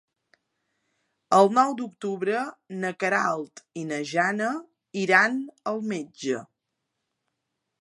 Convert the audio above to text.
El nou d'octubre na Queralt i na Jana iran al metge.